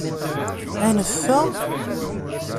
Ad neffeɣ?